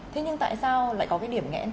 thế nhưng tại sao lại có cái điểm nghẽn